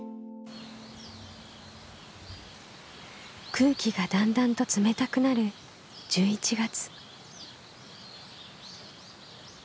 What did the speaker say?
空気がだんだんと冷たくなる１１月。